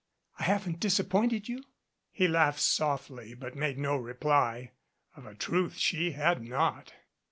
I haven't disappointed you?" He laughed softly, but made no reply. Of a truth, she had not.